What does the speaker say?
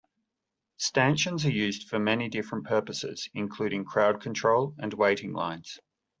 Stanchions are used for many different purposes including crowd control and waiting lines.